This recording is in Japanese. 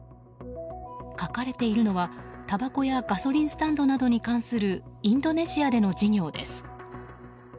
書かれているのは、たばこやガソリンスタンドなどに関するインドネシアでの事業です。